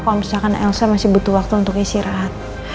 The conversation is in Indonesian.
kalau misalkan elsa masih butuh waktu untuk istirahat